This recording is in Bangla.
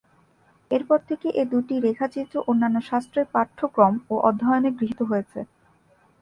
এরপর থেকে এ দুইটি রেখাচিত্র অন্যান্য শাস্ত্রের পাঠ্যক্রম ও অধ্যয়নে গৃহীত হয়েছে।